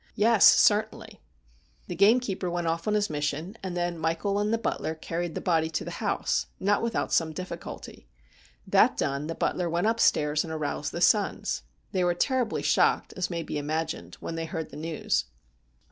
' Yes, certainly.' The gamekeeper went off on his mission, and then Michael and the butler carried the body to the house, not without some difficulty. That done the butler went upstairs and aroused the sons. They were terribly shocked, as may be imagined, when they heard the news.